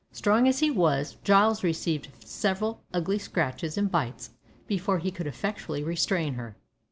Strong as he was, Giles received several ugly scratches and bites before he could effectually restrain her.